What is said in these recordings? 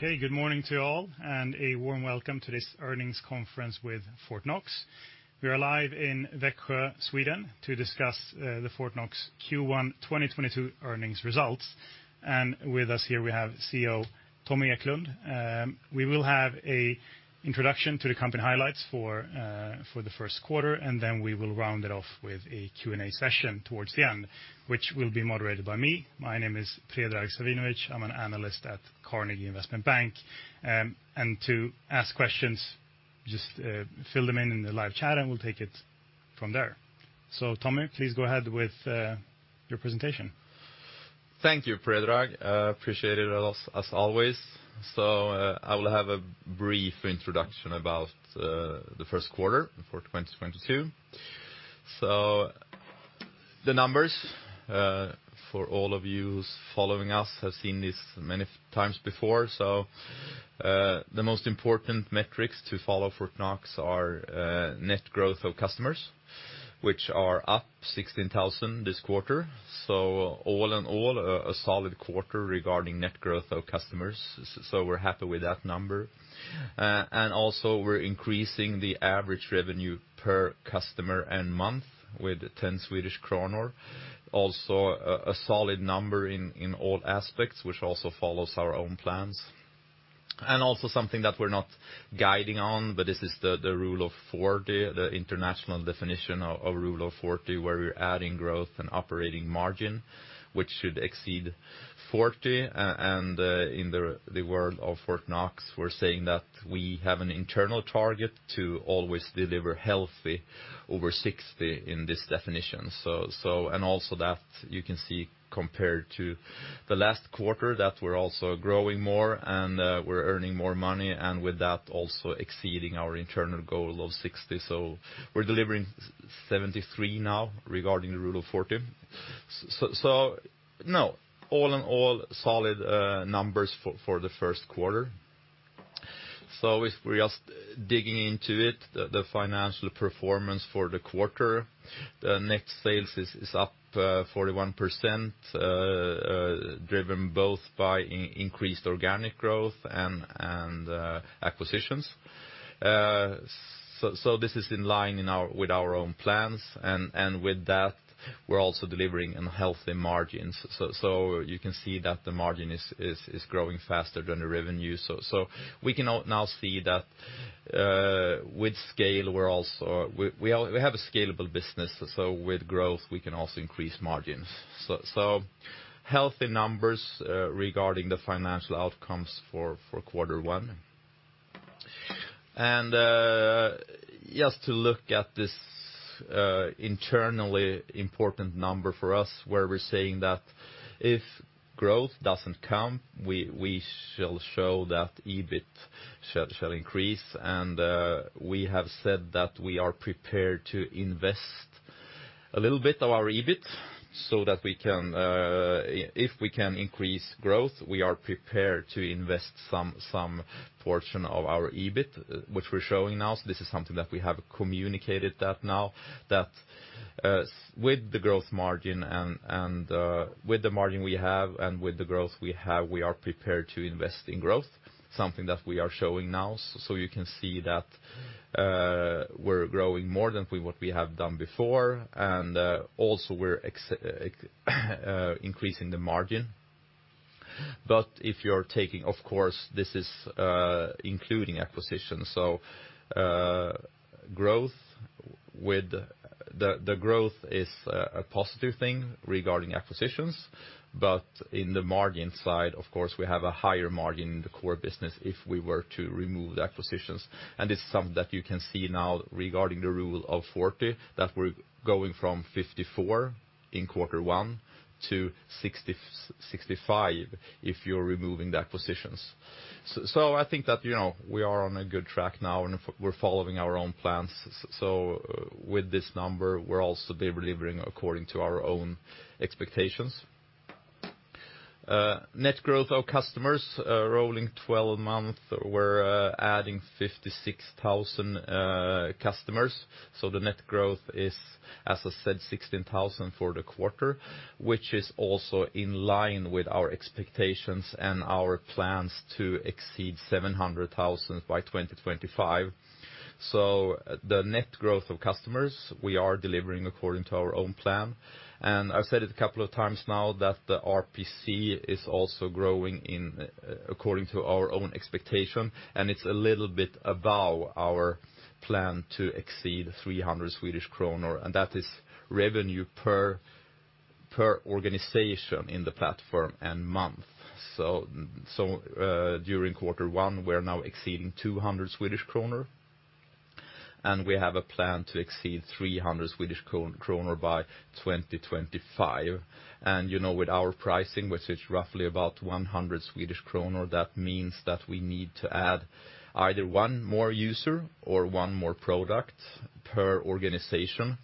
Okay, good morning to you all, and a warm welcome to this earnings conference with Fortnox. We are live in Växjö, Sweden, to discuss the Fortnox Q1 2022 earnings results. With us here we have CEO Tommy Eklund. We will have an introduction to the company highlights for the first quarter, and then we will round it off with a Q&A session towards the end, which will be moderated by me. My name is Predrag Savinovic. I'm an analyst at Carnegie Investment Bank. To ask questions, just fill them in in the live chat, and we'll take it from there. Tommy, please go ahead with your presentation. Thank you, Predrag. I appreciate it as always. I will have a brief introduction about the first quarter for 2022. The numbers for all of you who's following us have seen this many times before. The most important metrics to follow Fortnox are net growth of customers, which are up 16,000 this quarter. All in all, a solid quarter regarding net growth of customers, so we're happy with that number. We're increasing the average revenue per customer and month with 10 Swedish kronor. Also a solid number in all aspects, which also follows our own plans. Something that we're not guiding on, but this is the rule of 40, the international definition of rule of 40, where we're adding growth and operating margin, which should exceed 40. In the world of Fortnox, we're saying that we have an internal target to always deliver healthy over 60 in this definition. Also that you can see compared to the last quarter that we're also growing more, and we're earning more money, and with that, also exceeding our internal goal of 60. We're delivering 73 now regarding the Rule of 40. No, all in all, solid numbers for the first quarter. If we're just digging into it, the financial performance for the quarter, the net sales is up 41%, driven both by increased organic growth and acquisitions. This is in line with our own plans. With that, we're also delivering with healthy margins. You can see that the margin is growing faster than the revenue. We can now see that with scale, we have a scalable business, so with growth, we can also increase margins. Healthy numbers regarding the financial outcomes for quarter one. Just to look at this internally important number for us, where we're saying that if growth doesn't come, we shall show that EBIT shall increase. We have said that we are prepared to invest a little bit of our EBIT so that we can, if we can increase growth, we are prepared to invest some portion of our EBIT, which we're showing now. This is something that we have communicated that now, with the growth and margin we have, we are prepared to invest in growth, something that we are showing now. You can see that we're growing more than what we have done before, and also we're increasing the margin. If you're taking, of course, this is including acquisitions. The growth is a positive thing regarding acquisitions. In the margin side, of course, we have a higher margin in the core business if we were to remove the acquisitions. It's something that you can see now regarding the Rule of 40, that we're going from 54 in quarter one to 65 if you're removing the acquisitions. I think that, you know, we are on a good track now, and we're following our own plans. With this number, we're also delivering according to our own expectations. Net growth of customers, rolling twelve-month, we're adding 56,000 customers. The net growth is, as I said, 16,000 for the quarter, which is also in line with our expectations and our plans to exceed 700,000 by 2025. The net growth of customers, we are delivering according to our own plan. I've said it a couple of times now that the RPC is also growing according to our own expectation, and it's a little bit above our plan to exceed 300 Swedish kronor, and that is revenue per organization in the platform and month. During quarter one, we're now exceeding 200 Swedish kronor, and we have a plan to exceed 300 Swedish kronor by 2025. You know, with our pricing, which is roughly about 100 Swedish kronor, that means that we need to add either one more user or one more product per organization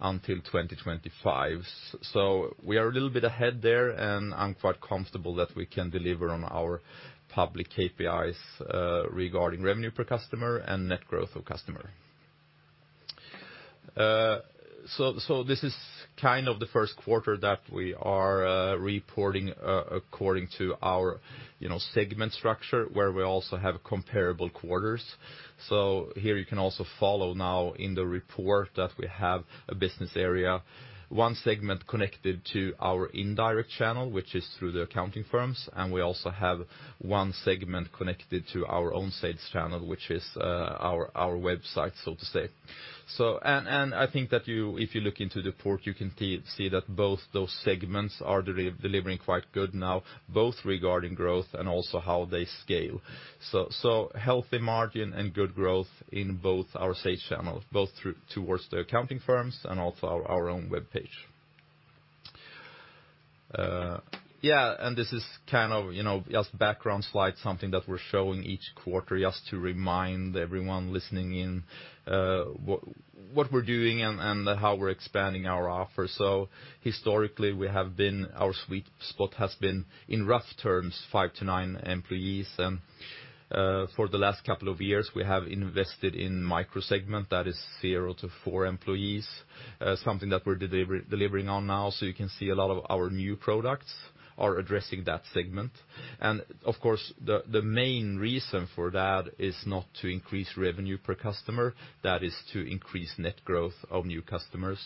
until 2025. We are a little bit ahead there, and I'm quite comfortable that we can deliver on our public KPIs regarding revenue per customer and net growth of customer. This is kind of the first quarter that we are reporting according to our segment structure, where we also have comparable quarters. Here you can also follow now in the report that we have a business area, one segment connected to our indirect channel, which is through the accounting firms, and we also have one segment connected to our own sales channel, which is our website, so to say. I think that if you look into the report, you can see that both those segments are delivering quite good now, both regarding growth and also how they scale. Healthy margin and good growth in both our sales channels, both through to the accounting firms and also our own webpage. This is kind of, you know, just background slide, something that we're showing each quarter just to remind everyone listening in, what we're doing and how we're expanding our offer. Our sweet spot has been, in rough terms, 5-9 employees. For the last couple of years, we have invested in micro segment, that is 0-4 employees. Something that we're delivering on now, so you can see a lot of our new products are addressing that segment. Of course, the main reason for that is not to increase revenue per customer. That is to increase net growth of new customers.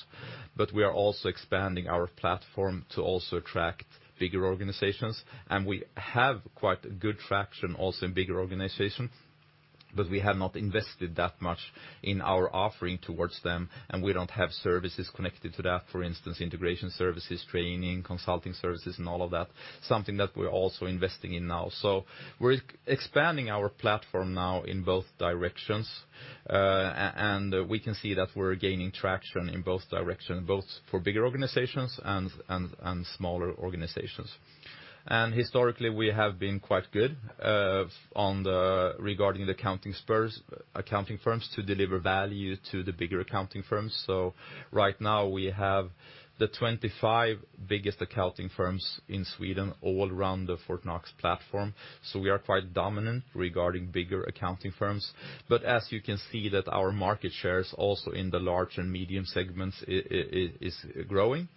We are also expanding our platform to also attract bigger organizations. We have quite good traction also in bigger organizations, but we have not invested that much in our offering towards them, and we don't have services connected to that, for instance, integration services, training, consulting services, and all of that, something that we're also investing in now. We're expanding our platform now in both directions. And we can see that we're gaining traction in both directions, both for bigger organizations and smaller organizations. Historically, we have been quite good regarding accounting firms to deliver value to the bigger accounting firms. Right now, we have the 25 biggest accounting firms in Sweden all around the Fortnox platform. We are quite dominant regarding bigger accounting firms. As you can see that our market share is also in the large and medium segments is growing.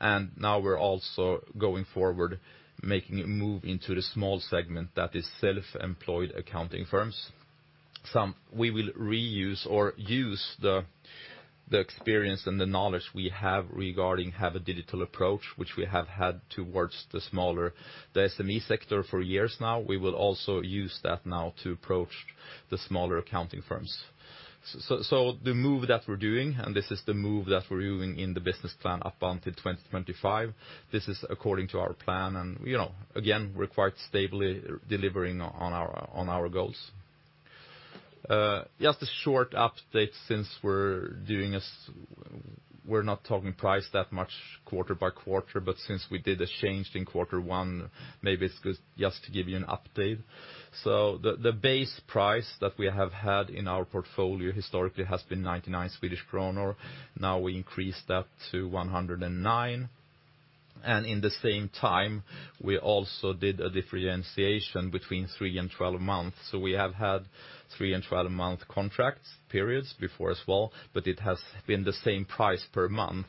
Now we're also going forward, making a move into the small segment that is self-employed accounting firms. So we will reuse or use the experience and the knowledge we have regarding having a digital approach, which we have had towards the SME sector for years now. We will also use that now to approach the smaller accounting firms. The move that we're doing, and this is the move that we're doing in the business plan up until 2025, this is according to our plan. You know, again, we're quite stably delivering on our goals. Just a short update since we're not talking price that much quarter by quarter, but since we did a change in quarter one, maybe it's good just to give you an update. The base price that we have had in our portfolio historically has been 99 Swedish kronor. Now we increased that to 109. In the same time, we also did a differentiation between 3 and 12 months. We have had 3- and 12-month contract periods before as well, but it has been the same price per month.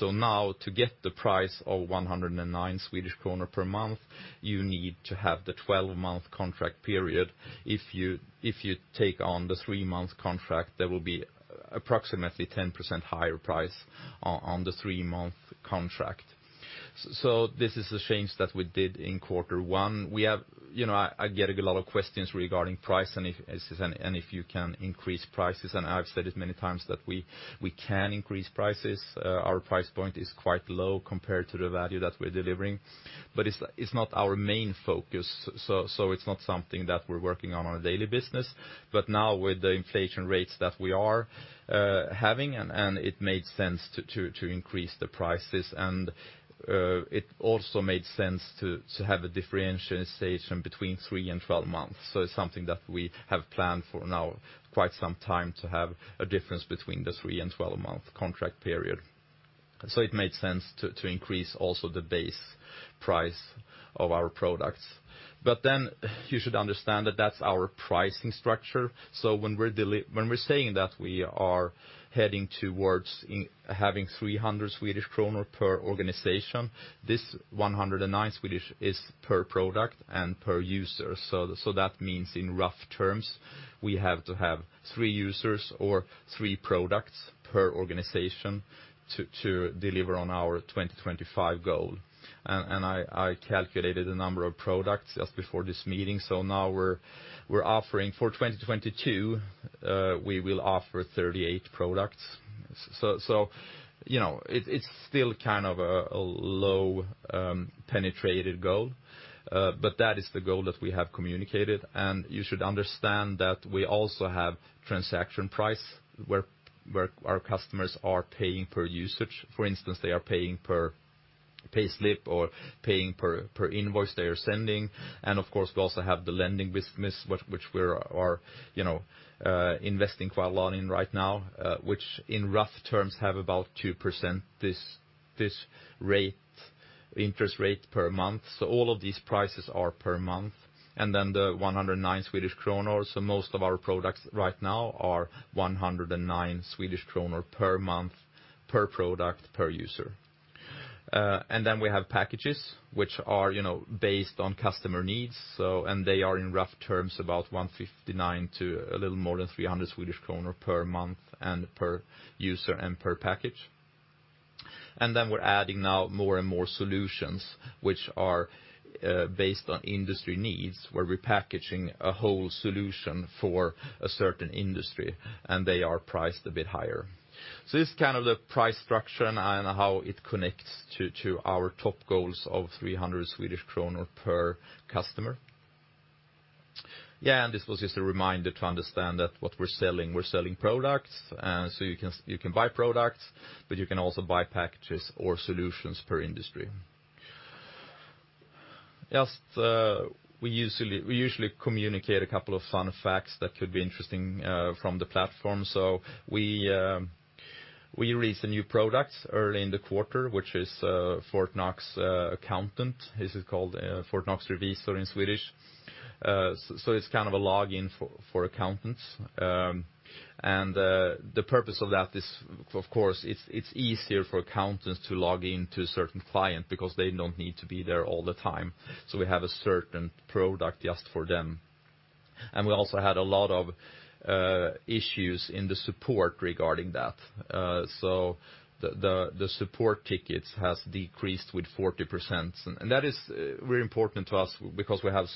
Now to get the price of 109 Swedish kronor per month, you need to have the 12-month contract period. If you take on the 3-month contract, there will be approximately 10% higher price on the 3-month contract. This is the change that we did in quarter one. We have, you know, I get a lot of questions regarding price and if you can increase prices. I've said it many times that we can increase prices. Our price point is quite low compared to the value that we're delivering. It's not our main focus, so it's not something that we're working on our daily business. Now with the inflation rates that we are having and it made sense to increase the prices, and it also made sense to have a differentiation between 3 and 12 months. It's something that we have planned for now quite some time to have a difference between the 3 and 12-month contract period. It made sense to increase also the base price of our products. Then you should understand that that's our pricing structure. When we're saying that we are heading towards having 300 Swedish kronor per organization, this 109 SEK is per product and per user. That means in rough terms, we have to have 3 users or 3 products per organization to deliver on our 2025 goal. I calculated the number of products just before this meeting. Now we're offering for 2022, we will offer 38 products. It's still kind of a low penetrated goal, but that is the goal that we have communicated. You should understand that we also have transaction price where our customers are paying per usage. For instance, they are paying per payslip or paying per invoice they are sending. Of course, we also have the lending business, which we're investing quite a lot in right now, which in rough terms have about 2% this interest rate per month. All of these prices are per month, and then the 109 Swedish kronor. Most of our products right now are 109 Swedish kronor per month, per product, per user. We have packages which are, you know, based on customer needs, and they are in rough terms about 159 to a little more than 300 Swedish kronor per month and per user and per package. We're adding now more and more solutions which are based on industry needs, where we're packaging a whole solution for a certain industry, and they are priced a bit higher. This is kind of the price structure and how it connects to our top goals of 300 Swedish kronor per customer. This was just a reminder to understand that what we're selling, we're selling products, and so you can buy products, but you can also buy packages or solutions per industry. Just, we usually communicate a couple of fun facts that could be interesting from the platform. We released a new product early in the quarter, which is Fortnox Accountant. This is called Fortnox Revisor in Swedish. So it's kind of a login for accountants. The purpose of that is, of course, it's easier for accountants to log in to a certain client because they don't need to be there all the time. We have a certain product just for them. We also had a lot of issues in the support regarding that. The support tickets has decreased with 40%. That is very important to us because we have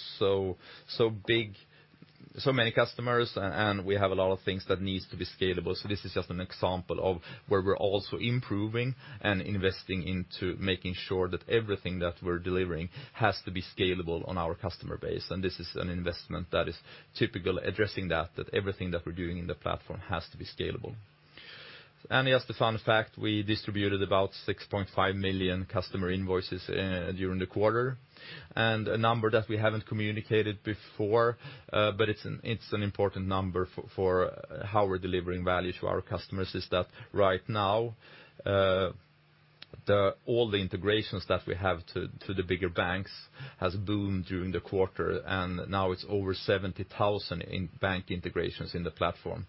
so many customers and we have a lot of things that needs to be scalable. This is just an example of where we're also improving and investing into making sure that everything that we're delivering has to be scalable on our customer base. This is an investment that is typically addressing that everything that we're doing in the platform has to be scalable. Just a fun fact, we distributed about 6.5 million customer invoices during the quarter. A number that we haven't communicated before, but it's an important number for how we're delivering value to our customers is that right now, all the integrations that we have to the bigger banks have boomed during the quarter, and now it's over 70,000 in bank integrations in the platform.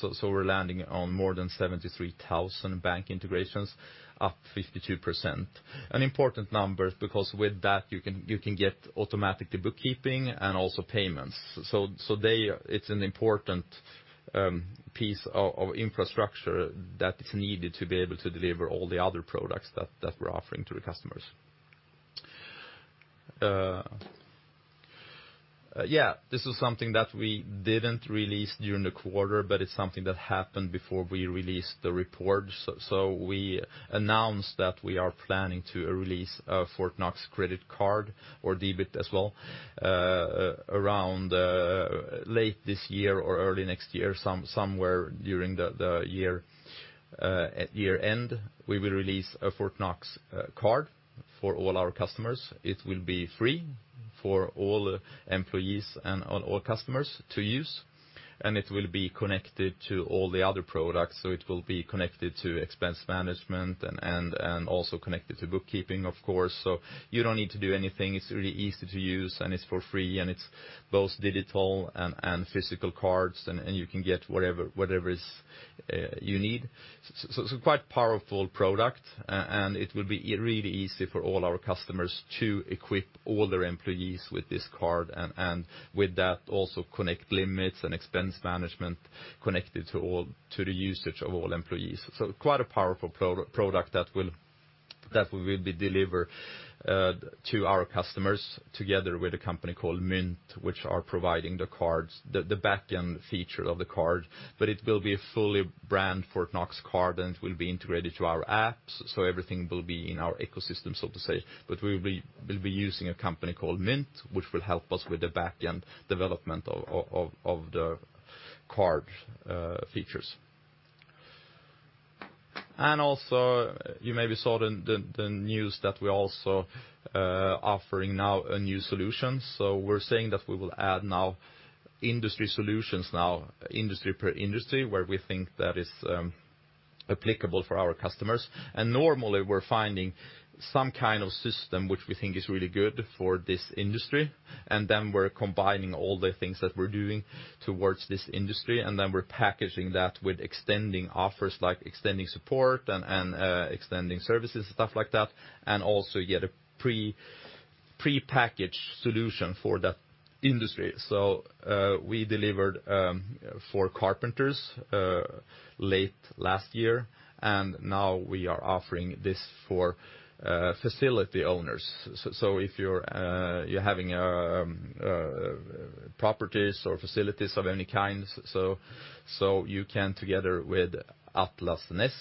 So we're landing on more than 73,000 bank integrations, up 52%. An important number because with that you can get automatically bookkeeping and also payments. It's an important piece of infrastructure that is needed to be able to deliver all the other products that we're offering to the customers. This is something that we didn't release during the quarter, but it's something that happened before we released the report. We announced that we are planning to release a Fortnox credit card or debit as well, around late this year or early next year, somewhere during the year. At year-end, we will release a Fortnox card for all our customers. It will be free for all employees and all customers to use, and it will be connected to all the other products. It will be connected to expense management and also connected to bookkeeping, of course. You don't need to do anything. It's really easy to use, and it's for free, and it's both digital and physical cards, and you can get whatever you need. Quite powerful product, and it will be really easy for all our customers to equip all their employees with this card and with that also connect limits and expense management connected to the usage of all employees. Quite a powerful product that will be delivered to our customers together with a company called Mynt, which are providing the cards, the back-end feature of the card. It will be a fully branded Fortnox card, and it will be integrated to our apps, so everything will be in our ecosystem, so to speak. We'll be using a company called Mynt, which will help us with the back-end development of the card features. You maybe saw the news that we're also offering now a new solution. We're saying that we will add now industry solutions now, industry per industry, where we think that is applicable for our customers. Normally, we're finding some kind of system which we think is really good for this industry, and then we're combining all the things that we're doing towards this industry, and then we're packaging that with extending offers like extending support and extending services and stuff like that, and also get a prepackaged solution for that industry. We delivered for carpenters late last year, and now we are offering this for facility owners. If you're having properties or facilities of any kind, you can, together with Atlas Nest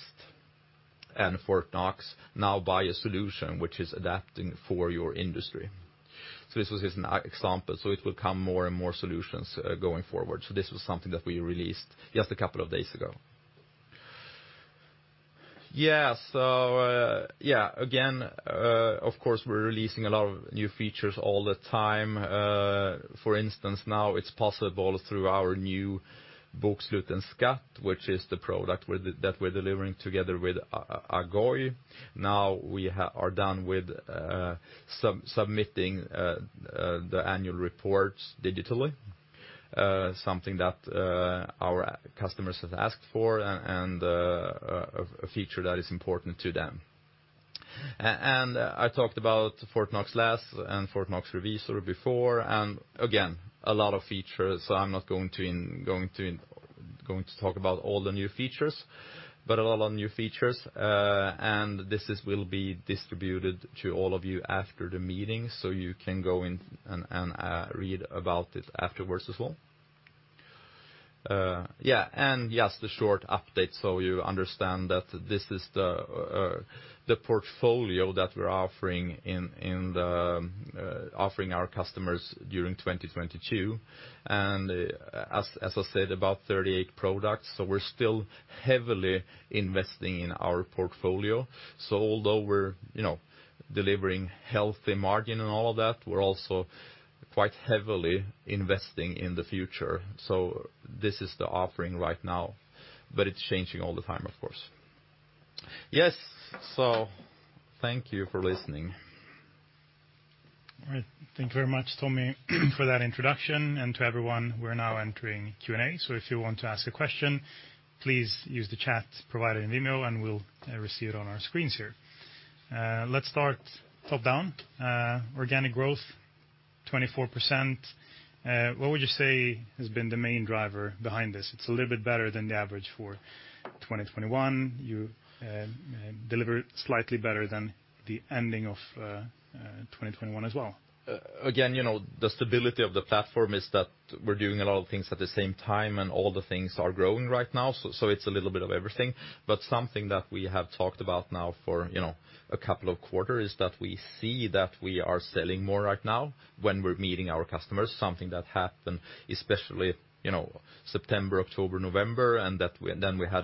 and Fortnox, now buy a solution which is adapting for your industry. This was just an example. It will come more and more solutions going forward. This was something that we released just a couple of days ago. Yeah. Yeah, again, of course, we're releasing a lot of new features all the time. For instance, now it's possible through our new Fortnox Bokslut & Skatt, which is the product we're delivering together with Agoy. Now we are done with submitting the annual reports digitally. Something that our customers have asked for and a feature that is important to them. I talked about Fortnox Läs and Fortnox Revisor before. Again, a lot of features, so I'm not going to talk about all the new features, but a lot of new features. This will be distributed to all of you after the meeting, so you can go in and read about it afterwards as well. Yeah. Just a short update so you understand that this is the portfolio that we're offering our customers during 2022. As I said, about 38 products, so we're still heavily investing in our portfolio. Although we're, you know, delivering healthy margin and all of that, we're also quite heavily investing in the future. This is the offering right now, but it's changing all the time, of course. Yes. Thank you for listening. All right. Thank you very much, Tommy, for that introduction and to everyone, we're now entering Q&A. If you want to ask a question, please use the chat provided in email, and we'll receive it on our screens here. Let's start top down. Organic growth, 24%. What would you say has been the main driver behind this? It's a little bit better than the average for 2021. You delivered slightly better than the ending of 2021 as well. Again, you know, the stability of the platform is that we're doing a lot of things at the same time, and all the things are growing right now, so it's a little bit of everything. Something that we have talked about now for, you know, a couple of quarters is that we see that we are selling more right now when we're meeting our customers, something that happened especially, you know, September, October, November, and then we had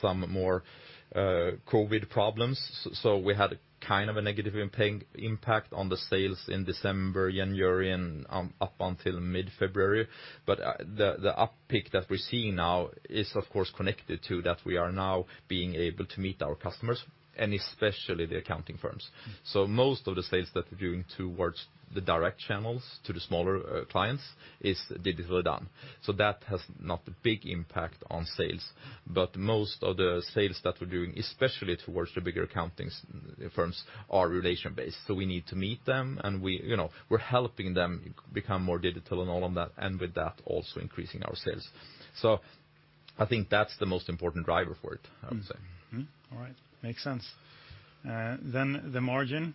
some more COVID problems. We had kind of a negative impact on the sales in December, January, and up until mid-February. The uptick that we're seeing now is of course connected to that we are now being able to meet our customers, and especially the accounting firms. Most of the sales that we're doing towards the direct channels to the smaller clients is digitally done. That has not a big impact on sales. Most of the sales that we're doing, especially towards the bigger accounting firms, are relation-based. We need to meet them, and we, you know, we're helping them become more digital and all of that, and with that, also increasing our sales. I think that's the most important driver for it, I would say. Mm-hmm. All right. Makes sense. The margin. Mm.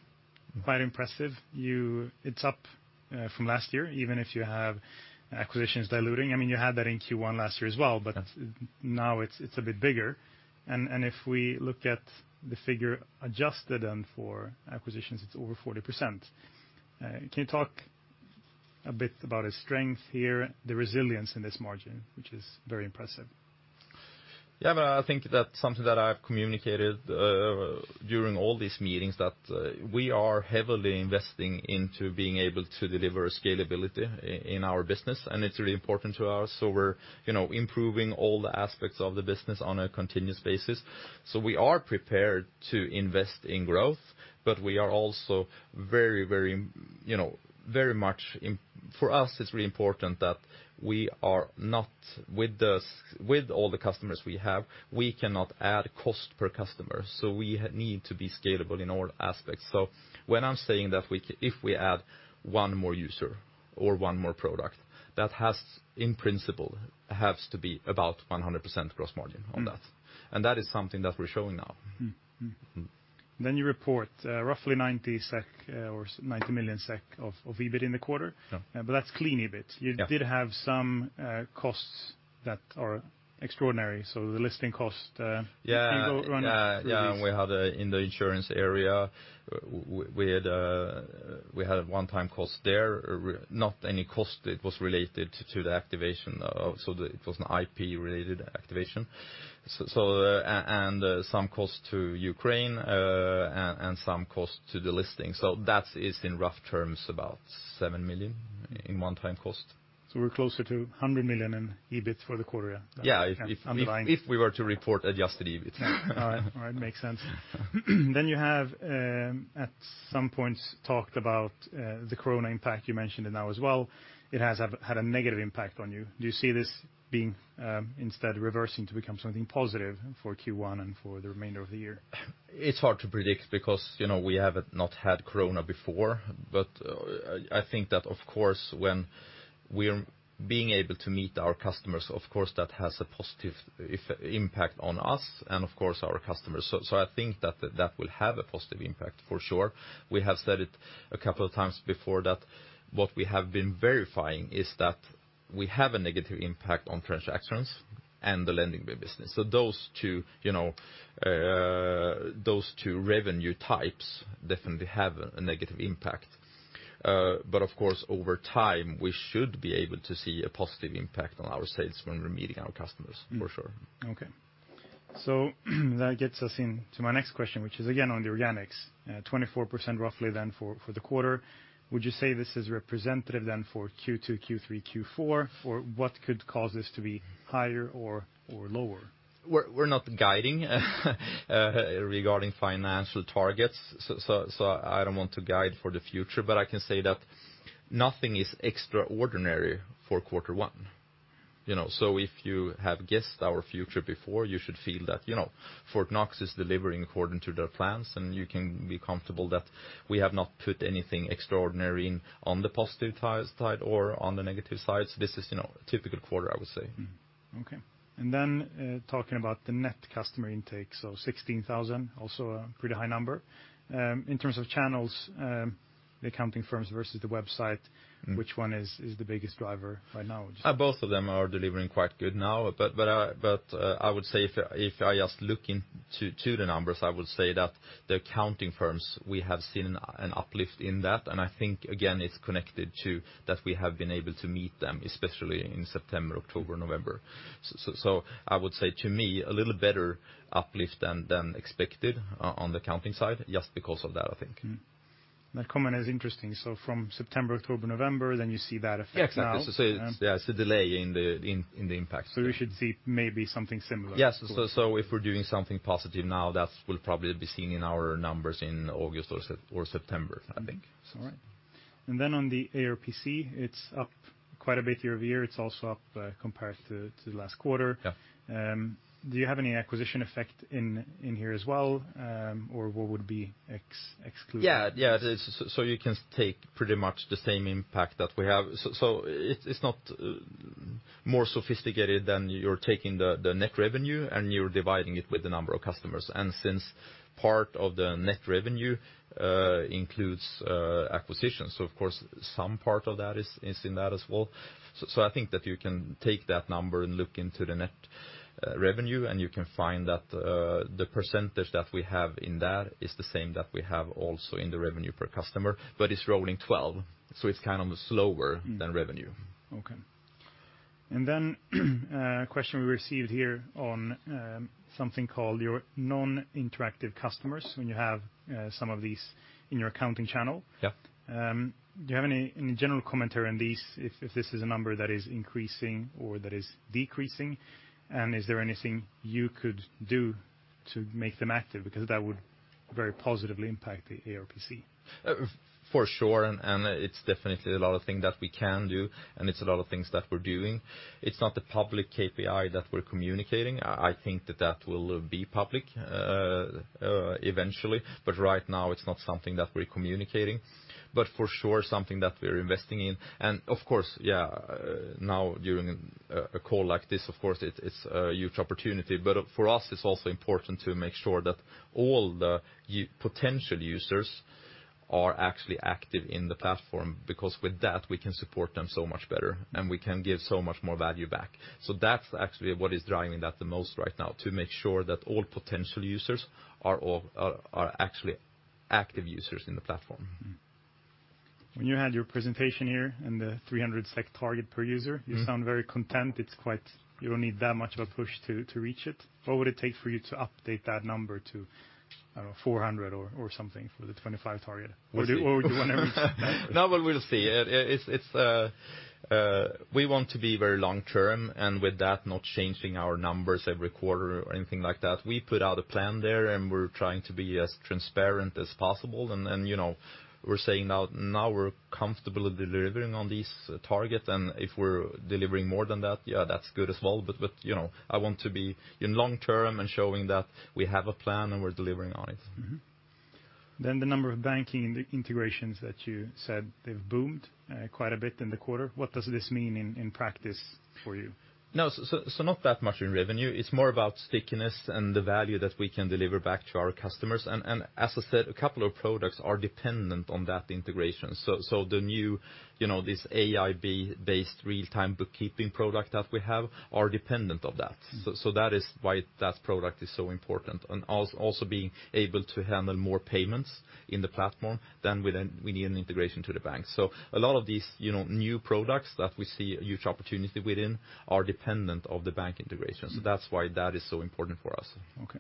Quite impressive. It's up from last year, even if you have acquisitions diluting. I mean, you had that in Q1 last year as well. Yes Now it's a bit bigger. If we look at the figure adjusted then for acquisitions, it's over 40%. Can you talk a bit about its strength here, the resilience in this margin, which is very impressive? Yeah. I think that's something that I've communicated during all these meetings, that we are heavily investing into being able to deliver scalability in our business, and it's really important to us. We're, you know, improving all the aspects of the business on a continuous basis. We are prepared to invest in growth, but we are also very much. For us, it's really important that we are not. With all the customers we have, we cannot add cost per customer. We need to be scalable in all aspects. When I'm saying that if we add one more user or one more product, that has, in principle, to be about 100% gross margin on that. Mm. That is something that we're showing now. Mm-hmm. Mm. You report roughly 90 million SEK of EBIT in the quarter. Yeah. That's clean EBIT. Yeah. You did have some costs that are extraordinary, so the listing cost. Yeah. Did you go run release? Yeah, we had in the insurance area a one-time cost there. Not any cost that was related to the activation of. It was an IP-related activation, and some costs to Ukraine, and some costs to the listing. That is in rough terms about 7 million in one-time cost. We're closer to 100 million in EBIT for the quarter, yeah. Yeah. kind of underlying. If we were to report adjusted EBIT. All right. Makes sense. You have at some point talked about the COVID impact, you mentioned it now as well. It had a negative impact on you. Do you see this being instead reversing to become something positive for Q1 and for the remainder of the year? It's hard to predict because, you know, we have not had COVID before. I think that, of course, when we're being able to meet our customers, of course, that has a positive impact on us and of course our customers. I think that will have a positive impact, for sure. We have said it a couple of times before that what we have been verifying is that we have a negative impact on transactions and the lending business. Those two, you know, revenue types definitely have a negative impact. Of course, over time, we should be able to see a positive impact on our sales when we're meeting our customers, for sure. That gets us into my next question, which is again on the organics. 24% roughly then for the quarter. Would you say this is representative then for Q2, Q3, Q4? For what could cause this to be higher or lower? We're not guiding regarding financial targets, so I don't want to guide for the future, but I can say that nothing is extraordinary for quarter one, you know. If you have guessed our future before, you should feel that, you know, Fortnox is delivering according to their plans, and you can be comfortable that we have not put anything extraordinary in on the positive side or on the negative side. This is, you know, a typical quarter, I would say. Okay. Talking about the net customer intake, 16,000, also a pretty high number. In terms of channels, the accounting firms versus the website. Mm-hmm. Which one is the biggest driver right now? Both of them are delivering quite good now. I would say if I just look into the numbers, I would say that the accounting firms, we have seen an uplift in that, and I think again, it's connected to that we have been able to meet them, especially in September, October, November. I would say to me, a little better uplift than expected on the accounting side, just because of that, I think. That comment is interesting. From September, October, November, then you see that effect now. Yeah, exactly. Yeah, it's a delay in the impact. We should see maybe something similar. Yes. If we're doing something positive now, that will probably be seen in our numbers in August or September, I think. All right. On the ARPC, it's up quite a bit year-over-year. It's also up compared to last quarter. Yeah. Do you have any acquisition effect in here as well? Or what would be excluded? You can take pretty much the same impact that we have. It's not more sophisticated than you're taking the net revenue, and you're dividing it with the number of customers. Since part of the net revenue includes acquisitions, of course, some part of that is in that as well. I think that you can take that number and look into the net revenue, and you can find that the percentage that we have in that is the same that we have also in the revenue per customer. It's rolling 12, so it's kind of slower- Mm-hmm. than revenue. Okay. A question we received here on something called your non-interactive customers, when you have some of these in your accounting channel. Yeah. Do you have any general commentary on these, if this is a number that is increasing or that is decreasing? Is there anything you could do to make them active? Because that would very positively impact the ARPC. For sure, it's definitely a lot of thing that we can do, and it's a lot of things that we're doing. It's not the public KPI that we're communicating. I think that will be public eventually. Right now, it's not something that we're communicating. For sure, something that we're investing in. Of course, now during a call like this, it's a huge opportunity. For us, it's also important to make sure that all the our potential users are actually active in the platform, because with that, we can support them so much better, and we can give so much more value back. That's actually what is driving that the most right now, to make sure that all potential users are actually active users in the platform. When you had your presentation here and the 300 SEK target per user. Mm-hmm. You sound very content. It's quite. You don't need that much of a push to reach it. What would it take for you to update that number to, I don't know, 400 or something for the 2025 target? We'll see. What do you want to reach? No, but we'll see. We want to be very long-term, and with that, not changing our numbers every quarter or anything like that. We put out a plan there, and we're trying to be as transparent as possible. You know, we're saying now we're comfortable delivering on this target, and if we're delivering more than that, yeah, that's good as well. You know, I want to be in long-term and showing that we have a plan and we're delivering on it. Mm-hmm. The number of banking integrations that you said they've boomed quite a bit in the quarter. What does this mean in practice for you? No. Not that much in revenue. It's more about stickiness and the value that we can deliver back to our customers. As I said, a couple of products are dependent on that integration. The new, you know, this AI-based real-time bookkeeping product that we have are dependent of that. Mm-hmm. That is why that product is so important. Also being able to handle more payments in the platform, then we need an integration to the bank. A lot of these, you know, new products that we see a huge opportunity within are dependent of the bank integration. Mm-hmm. That's why that is so important for us. Okay.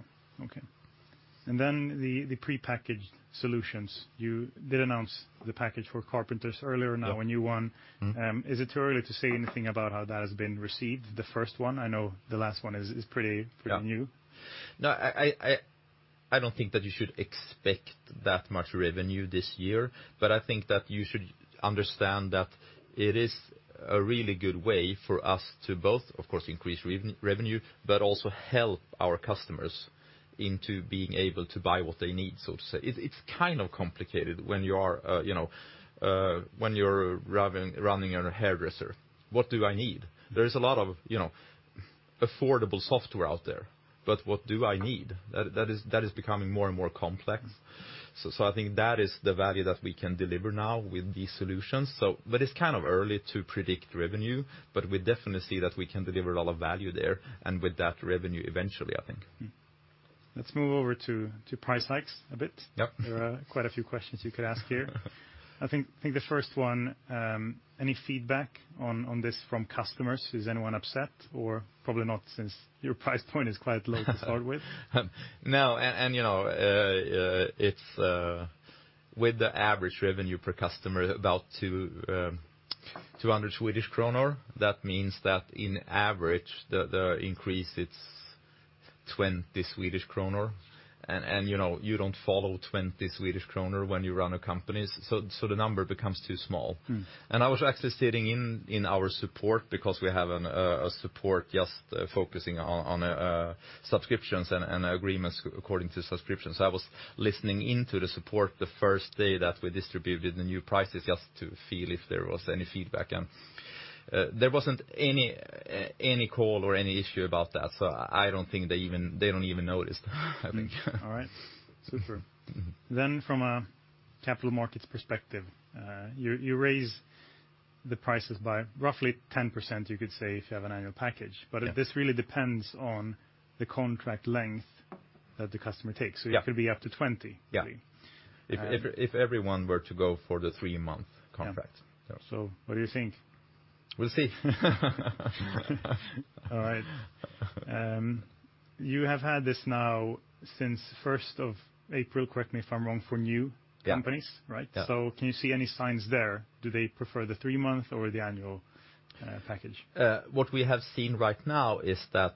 The prepackaged solutions. You did announce the package for carpenters earlier. Yeah. Now a new one. Mm-hmm. Is it too early to say anything about how that has been received? The first one? I know the last one is pretty- Yeah. Pretty new. No, I don't think that you should expect that much revenue this year, but I think that you should understand that it is a really good way for us to both, of course, increase revenue, but also help our customers into being able to buy what they need, so to say. It's kind of complicated, you know, when you're running a hairdresser. What do I need? Mm-hmm. There is a lot of, you know, affordable software out there, but what do I need? That is becoming more and more complex. I think that is the value that we can deliver now with these solutions. It's kind of early to predict revenue, but we definitely see that we can deliver a lot of value there and with that revenue eventually, I think. Let's move over to price hikes a bit. Yep. There are quite a few questions you could ask here. I think the first one, any feedback on this from customers? Is anyone upset or probably not since your price point is quite low to start with? No. You know, it's with the average revenue per customer about 200 Swedish kronor, that means that on average the increase is 20 Swedish kronor. You know, you don't follow 20 Swedish kronor when you run a company. The number becomes too small. Mm. I was actually sitting in our support because we have a support just focusing on subscriptions and agreements according to subscriptions. I was listening into the support the first day that we distributed the new prices just to feel if there was any feedback. There wasn't any call or any issue about that. I don't think they don't even notice, I think. All right. Super. Mm-hmm. From a capital markets perspective, you raise the prices by roughly 10%, you could say, if you have an annual package. Yeah. This really depends on the contract length that the customer takes. Yeah. It could be up to 20. Yeah. Maybe. If everyone were to go for the three-month- Yeah contract. Yeah. What do you think? We'll see. All right. You have had this now since first of April, correct me if I'm wrong. Yeah companies, right? Yeah. Can you see any signs there? Do they prefer the three-month or the annual package? What we have seen right now is that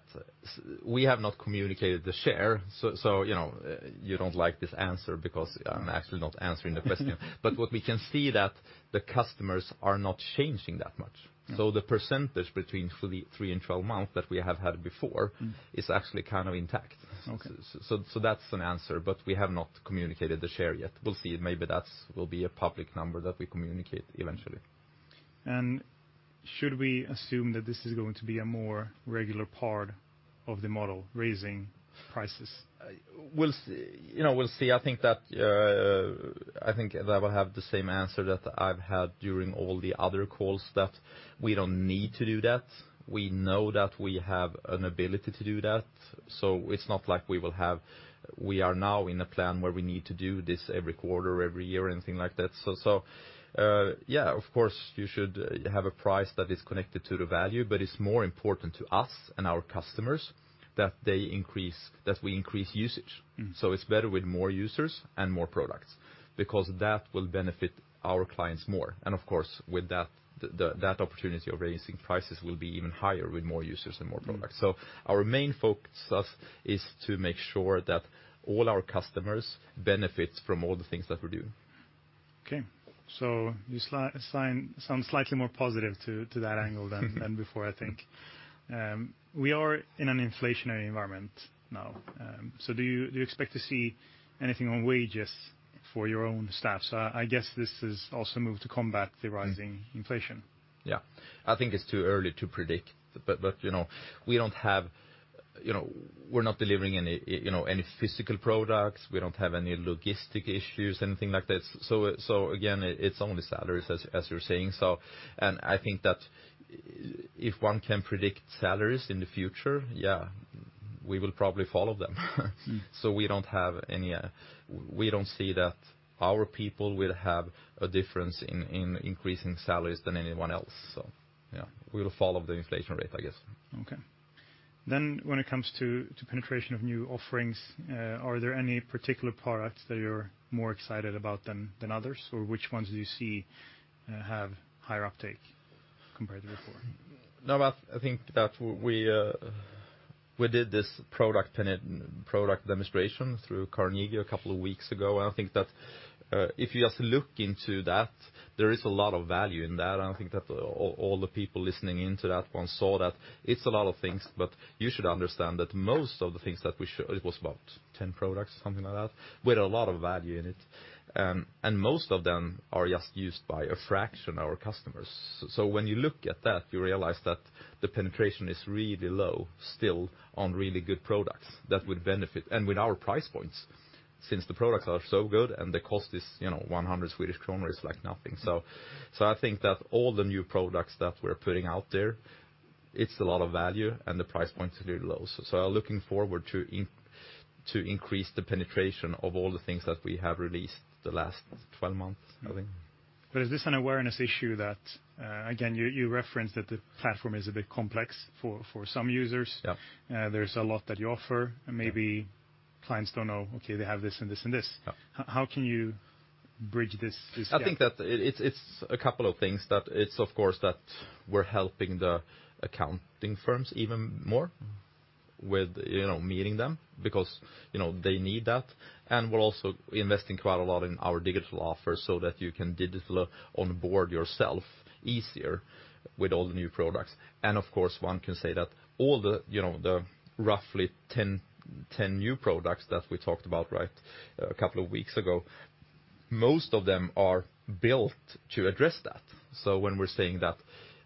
we have not communicated the share. You know, you don't like this answer because I'm actually not answering the question. What we can see that the customers are not changing that much. Mm. The percentage between 33 and 12 months that we have had before. Mm-hmm is actually kind of intact. Okay. That's an answer, but we have not communicated the share yet. We'll see. Maybe that will be a public number that we communicate eventually. Should we assume that this is going to be a more regular part of the model, raising prices? We'll see. You know, we'll see. I think that I will have the same answer that I've had during all the other calls that we don't need to do that. We know that we have an ability to do that. It's not like we are now in a plan where we need to do this every quarter, every year or anything like that. Yeah, of course, you should have a price that is connected to the value, but it's more important to us and our customers that we increase usage. Mm. It's better with more users and more products because that will benefit our clients more. Of course, with that opportunity of raising prices will be even higher with more users and more products. Mm-hmm. Our main focus is to make sure that all our customers benefit from all the things that we're doing. Okay. You sound slightly more positive on that angle than before, I think. We are in an inflationary environment now. Do you expect to see anything on wages for your own staff? I guess this is also a move to combat the rising- Mm inflation. Yeah. I think it's too early to predict. You know, we don't have, you know, we're not delivering any, you know, any physical products. We don't have any logistics issues, anything like that. Again, it's only salaries, as you're saying. I think that if one can predict salaries in the future, yeah, we will probably follow them. Mm. We don't have any, we don't see that our people will have a difference in increasing salaries than anyone else. Yeah, we'll follow the inflation rate, I guess. Okay. When it comes to penetration of new offerings, are there any particular products that you're more excited about than others? Or which ones do you see have higher uptake compared to before? No, but I think that we did this product demonstration through Carnegie a couple of weeks ago, and I think that if you just look into that, there is a lot of value in that. I think that all the people listening in to that one saw that it's a lot of things, but you should understand that most of the things that we show. It was about 10 products, something like that, with a lot of value in it. Most of them are just used by a fraction of our customers. When you look at that, you realize that the penetration is really low still on really good products that would benefit. With our price points, since the products are so good and the cost is, you know, 100 Swedish kronor is like nothing. I think that all the new products that we're putting out there, it's a lot of value and the price point is really low. Looking forward to increase the penetration of all the things that we have released the last 12 months, I think. Is this an awareness issue that, again, you referenced that the platform is a bit complex for some users? Yeah. There's a lot that you offer. Yeah. Maybe clients don't know, okay, they have this and this and this. Yeah. How can you bridge this gap? I think that it's a couple of things that it's of course that we're helping the accounting firms even more with, you know, meeting them because, you know, they need that. We're also investing quite a lot in our digital offers so that you can digitally onboard yourself easier with all the new products. Of course, one can say that all the, you know, the roughly 10 new products that we talked about, right, a couple of weeks ago. Most of them are built to address that. When we're saying that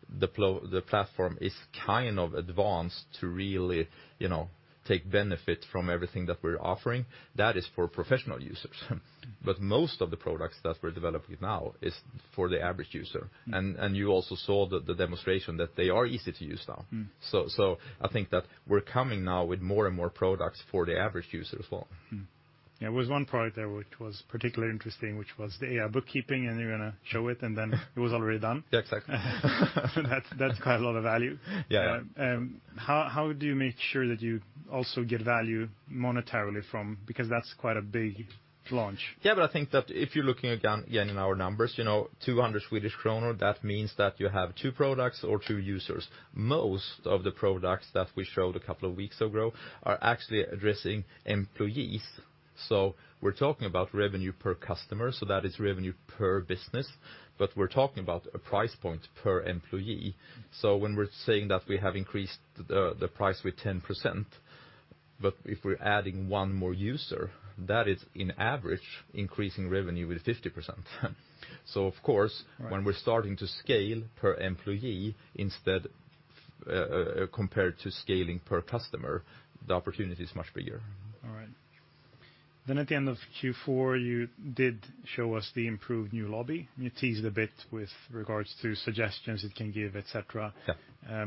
the platform is kind of advanced to really, you know, take benefit from everything that we're offering, that is for professional users. Mm. Most of the products that we're developing now is for the average user. Mm. You also saw the demonstration that they are easy to use now. Mm. I think that we're coming now with more and more products for the average user as well. Yeah, there was one product there which was particularly interesting, which was the AI bookkeeping, and you're gonna show it, and then it was already done. Yeah, exactly. That's quite a lot of value. Yeah. How do you make sure that you also get value monetarily from, because that's quite a big launch? Yeah, I think that if you're looking again in our numbers, you know, 200 Swedish kronor, that means that you have two products or two users. Most of the products that we showed a couple of weeks ago are actually addressing employees. We're talking about revenue per customer, so that is revenue per business, but we're talking about a price point per employee. When we're saying that we have increased the price with 10%, but if we're adding one more user, that is on average increasing revenue with 50%. Of course. Right When we're starting to scale per employee instead, compared to scaling per customer, the opportunity is much bigger. All right. At the end of Q4, you did show us the improved new lobby. You teased a bit with regards to suggestions it can give, et cetera. Yeah.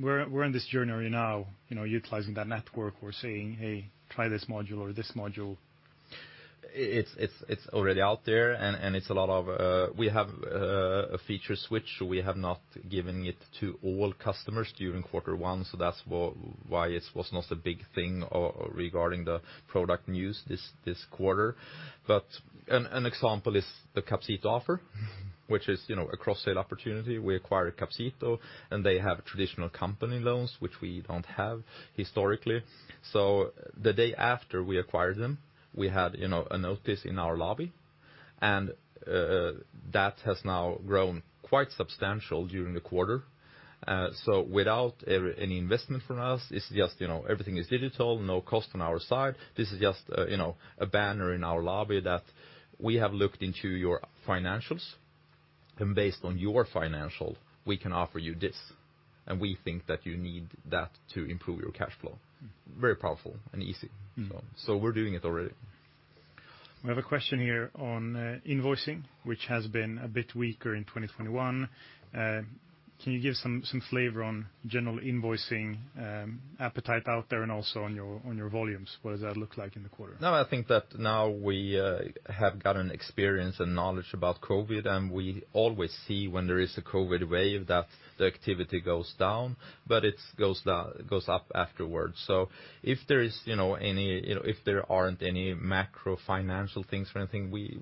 Where in this journey are you now, you know, utilizing that network? We're seeing, "Hey, try this module or this module. It's already out there, and it's a lot of. We have a feature switch. We have not given it to all customers during quarter one, so that's why it was not a big thing, regarding the product news this quarter. An example is the Capcito offer- Mm-hmm ...which is, you know, a cross-sale opportunity. We acquired Capcito, and they have traditional company loans, which we don't have historically. The day after we acquired them, we had, you know, a notice in our lobby, and that has now grown quite substantial during the quarter. Without any investment from us, it's just, you know, everything is digital, no cost on our side. This is just, you know, a banner in our lobby that we have looked into your financials, and based on your financial, we can offer you this, and we think that you need that to improve your cash flow. Mm. Very powerful and easy. Mm. We're doing it already. We have a question here on invoicing, which has been a bit weaker in 2021. Can you give some flavor on general invoicing, appetite out there and also on your volumes? What does that look like in the quarter? No, I think that now we have gotten experience and knowledge about COVID, and we always see when there is a COVID wave that the activity goes down, but it goes up afterwards. If there aren't any macro financial things or anything, we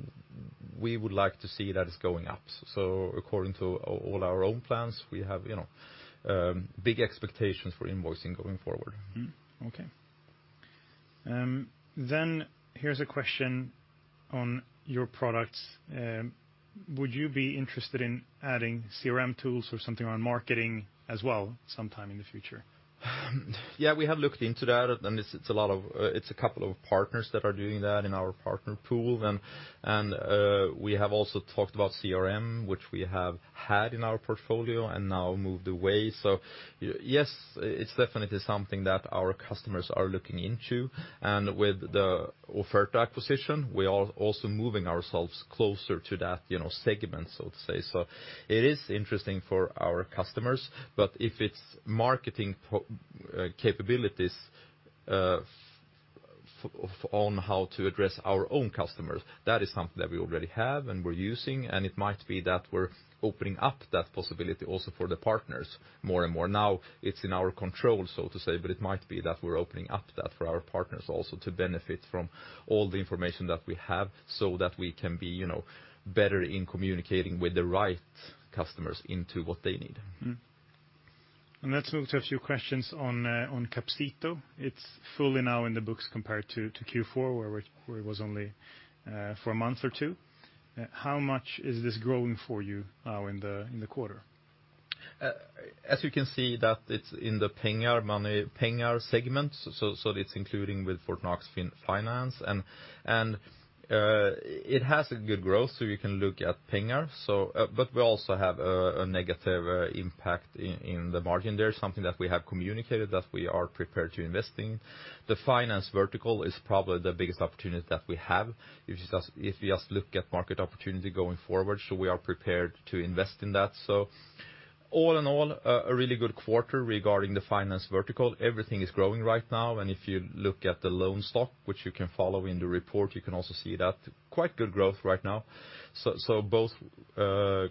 would like to see that it's going up. According to all our own plans, we have big expectations for invoicing going forward. Okay. Here's a question on your products. Would you be interested in adding CRM tools or something around marketing as well sometime in the future? Yeah, we have looked into that, and it's a couple of partners that are doing that in our partner pool. We have also talked about CRM, which we have had in our portfolio and now moved away. Yes, it's definitely something that our customers are looking into. With the Offerta acquisition, we are also moving ourselves closer to that, you know, segment, so to say. It is interesting for our customers, but if it's marketing capabilities on how to address our own customers, that is something that we already have and we're using, and it might be that we're opening up that possibility also for the partners more and more. Now it's in our control, so to say, but it might be that we're opening up that for our partners also to benefit from all the information that we have, so that we can be, you know, better in communicating with the right customers into what they need. Let's move to a few questions on Capcito. It's fully now in the books compared to Q4, where it was only for a month or two. How much is this growing for you now in the quarter? As you can see that it's in the Pengar money, Pengar segment, so it's including with Fortnox Finance. It has a good growth, so you can look at Pengar. We also have a negative impact in the margin there, something that we have communicated that we are prepared to invest. The finance vertical is probably the biggest opportunity that we have if you just look at market opportunity going forward, so we are prepared to invest in that. All in all, a really good quarter regarding the finance vertical. Everything is growing right now, and if you look at the loan stock, which you can follow in the report, you can also see that quite good growth right now, both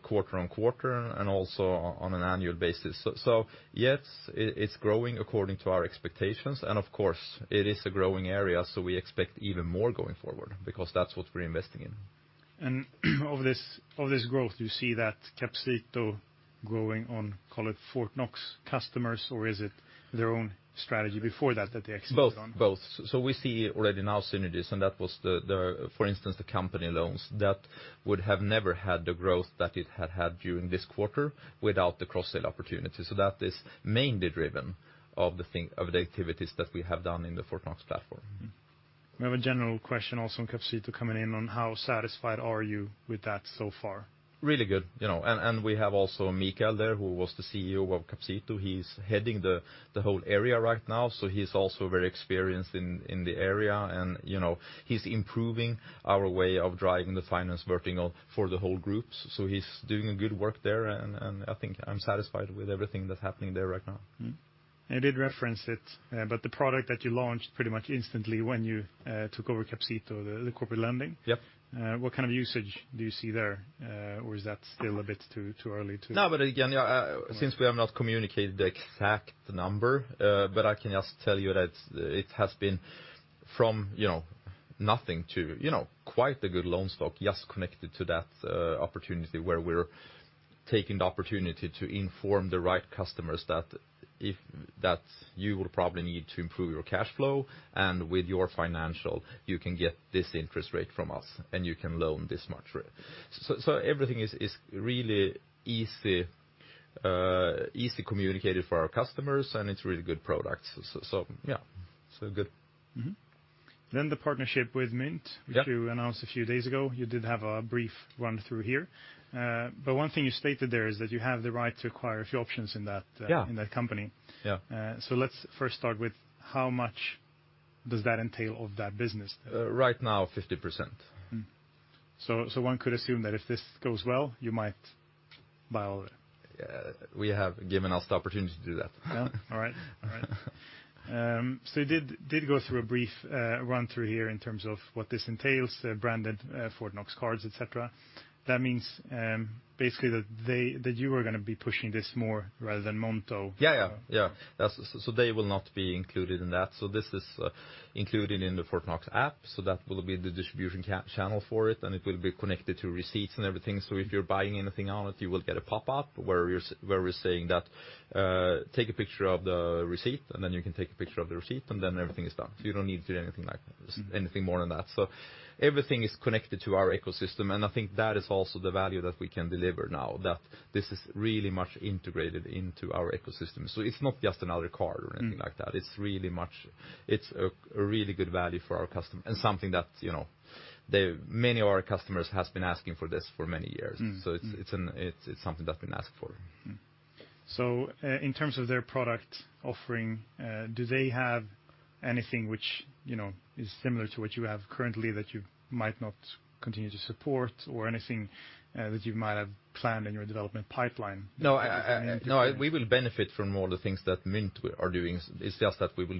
quarter-over-quarter and also on an annual basis. Yes, it's growing according to our expectations, and of course, it is a growing area, so we expect even more going forward because that's what we're investing in. Of this growth, you see that Capcito growing on, call it Fortnox customers, or is it their own strategy before that they exited on? Both. We see already now synergies, and that was the, for instance, the company loans that would have never had the growth that it had had during this quarter without the cross-sale opportunity. That is mainly driven of the activities that we have done in the Fortnox platform. We have a general question also on Capcito coming in on how satisfied are you with that so far? Really good, you know. We have also Mikael there, who was the CEO of Capcito. He's heading the whole area right now, so he's also very experienced in the area. You know, he's improving our way of driving the finance vertical for the whole group. He's doing good work there, and I think I'm satisfied with everything that's happening there right now. I did reference it, but the product that you launched pretty much instantly when you took over Capcito, the corporate lending. Yep. What kind of usage do you see there? Is that still a bit too early to? No, but again, yeah, since we have not communicated the exact number, but I can just tell you that it has been from, you know, nothing to, you know, quite a good loan stock just connected to that opportunity where we're taking the opportunity to inform the right customers that you will probably need to improve your cash flow, and with your financial, you can get this interest rate from us, and you can loan this much. Everything is really easy communicated for our customers, and it's a really good product. Yeah. Good. The partnership with Mynt- Yeah ...which you announced a few days ago. You did have a brief run-through here. One thing you stated there is that you have the right to acquire a few options in that. Yeah in that company. Yeah. Let's first start with how much does that entail of that business? Right now, 50%. One could assume that if this goes well, you might buy all of it. We have given us the opportunity to do that. Yeah. All right. You did go through a brief run-through here in terms of what this entails, branded Fortnox cards, et cetera. That means, basically, that you are gonna be pushing this more rather than Mynt. Yeah. Yeah. They will not be included in that. This is included in the Fortnox app, so that will be the distribution channel for it, and it will be connected to receipts and everything. If you're buying anything on it, you will get a pop-up where we're saying that, take a picture of the receipt, and then you can take a picture of the receipt, and then everything is done. You don't need to do anything like this, anything more than that. Everything is connected to our ecosystem, and I think that is also the value that we can deliver now, that this is really much integrated into our ecosystem. It's not just another card or anything like that. It's a really good value for our customer and something that, you know, many of our customers has been asking for this for many years. Mm. Mm. It's something that's been asked for. In terms of their product offering, do they have anything which, you know, is similar to what you have currently that you might not continue to support or anything that you might have planned in your development pipeline? No, we will benefit from all the things that Mynt are doing. It's just that we will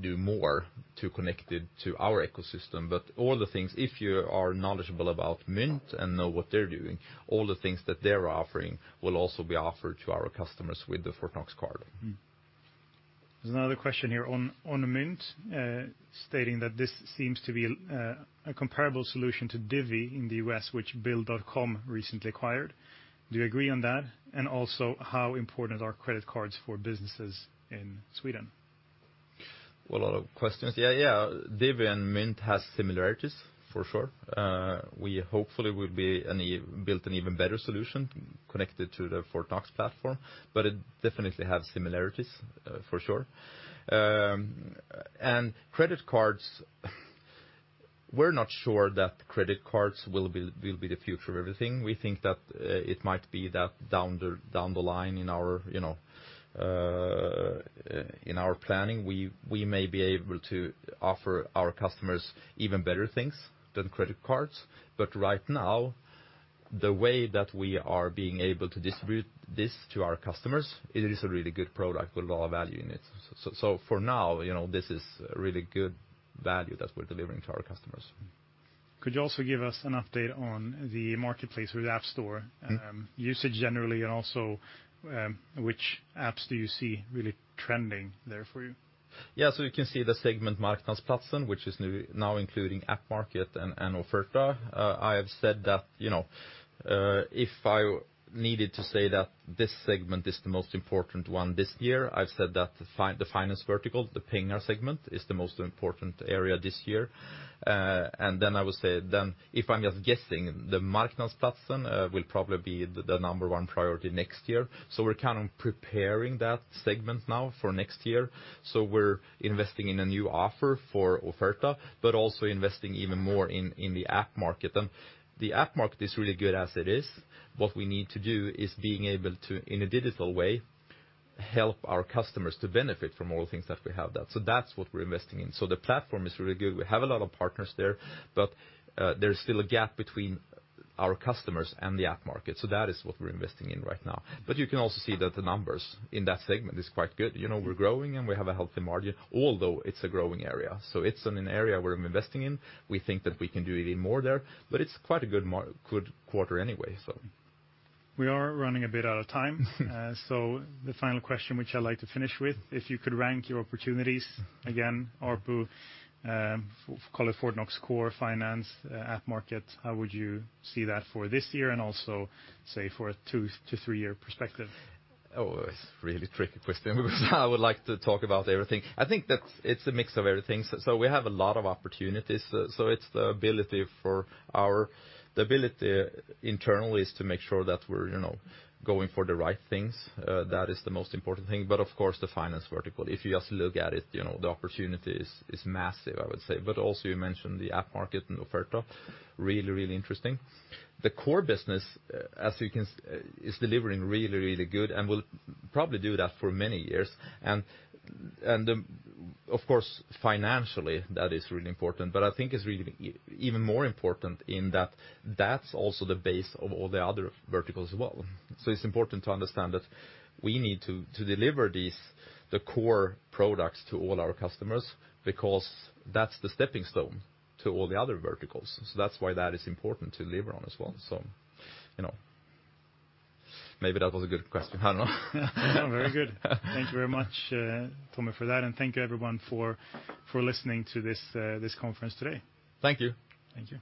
do more to connect it to our ecosystem. All the things, if you are knowledgeable about Mynt and know what they're doing, all the things that they're offering will also be offered to our customers with the Fortnox card. There's another question here on Mynt, stating that this seems to be a comparable solution to Divvy in the U.S., which Bill.com recently acquired. Do you agree on that? And also, how important are credit cards for businesses in Sweden? Well, a lot of questions. Yeah, yeah. Divvy and Mynt has similarities, for sure. We hopefully will build an even better solution connected to the Fortnox platform, but it definitely have similarities, for sure. Credit cards, we're not sure that credit cards will be the future of everything. We think that, it might be that down the line in our, you know, in our planning, we may be able to offer our customers even better things than credit cards. Right now, the way that we are being able to distribute this to our customers, it is a really good product with a lot of value in it. For now, you know, this is really good value that we're delivering to our customers. Could you also give us an update on the marketplace or the app store? Mm-hmm usage generally, and also, which apps do you see really trending there for you? Yeah. You can see the segment Marknadsplatsen, which is now including App Market and Offerta. I have said that, you know, if I needed to say that this segment is the most important one this year, I've said that the finance vertical, the Pengar segment, is the most important area this year. Then I would say then if I'm just guessing, the Marknadsplatsen will probably be the number one priority next year. We're kind of preparing that segment now for next year. We're investing in a new offer for Offerta, but also investing even more in the App Market. The App Market is really good as it is. What we need to do is being able to, in a digital way, help our customers to benefit from all the things that we have done. That's what we're investing in. The platform is really good. We have a lot of partners there, but there's still a gap between our customers and the App Market. That is what we're investing in right now. You can also see that the numbers in that segment is quite good. You know, we're growing and we have a healthy margin, although it's a growing area. It's an area where I'm investing in. We think that we can do even more there, but it's quite a good quarter anyway. We are running a bit out of time. The final question, which I'd like to finish with, if you could rank your opportunities again, ARPU, call it Fortnox core, finance, App Market, how would you see that for this year and also, say, for a 2-3-year perspective? Oh, it's a really tricky question because I would like to talk about everything. I think that it's a mix of everything. We have a lot of opportunities. The ability internally is to make sure that we're, you know, going for the right things. That is the most important thing. Of course, the finance vertical, if you just look at it, you know, the opportunity is massive, I would say. Also you mentioned the App Market and Offerta. Really, really interesting. The core business is delivering really, really good and will probably do that for many years. Of course, financially, that is really important, but I think it's really even more important in that that's also the base of all the other verticals as well. It's important to understand that we need to deliver these, the core products to all our customers because that's the stepping stone to all the other verticals. That's why that is important to deliver on as well. You know. Maybe that was a good question. I don't know. Very good. Thank you very much, Tommy, for that. Thank you, everyone, for listening to this conference today. Thank you. Thank you.